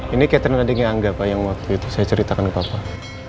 ini catherine adiknya angga yang waktu itu saya ceritakan ke bapak